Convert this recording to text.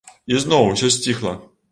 І зноў усё сціхла.